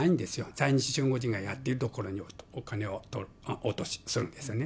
在日中国人がやっている所にお金を落とすんですよね。